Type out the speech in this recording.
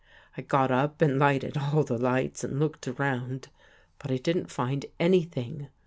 I got up and lighted all the lights and looked around, but I didn't find anything.